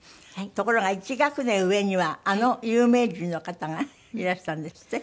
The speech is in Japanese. ところが１学年上にはあの有名人の方がいらしたんですって？